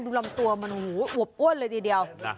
ดูลำตัวมันหัวป้วนเลยเดียว